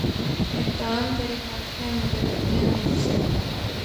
احکام ترے حق ہیں مگر اپنے مفسر